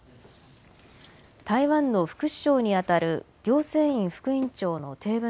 台湾の副首相にあたる行政院副院長の鄭文